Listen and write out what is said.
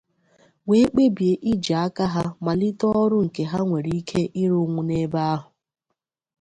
wee kpebie iji aka ha malite ọrụ nke ha nwere ike ịrụnwu n'ebe ahụ